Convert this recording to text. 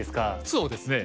そうですね。